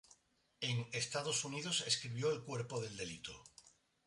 En Estados Unidos escribió "El cuerpo del delito.